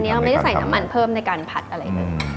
อันนี้เราไม่ได้ใส่น้ำมันเพิ่มในการผัดอะไรอย่างนี้